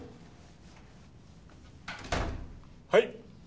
はい。